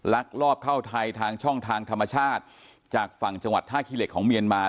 ลักลอบเข้าไทยทางช่องทางธรรมชาติจากฝั่งจังหวัดท่าขี้เหล็กของเมียนมา